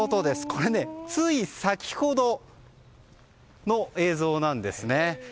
これ、つい先ほどの映像なんです。